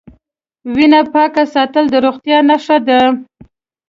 وینه پاکه ساتل د روغتیا نښه ده.